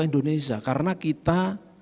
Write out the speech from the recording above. indonesia karena kita